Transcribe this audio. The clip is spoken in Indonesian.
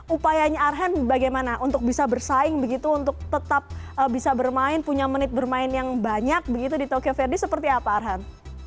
upayanya arhan bagaimana untuk bisa bersaing begitu untuk tetap bisa bermain punya menit bermain yang banyak begitu di tokyo verde seperti apa arhan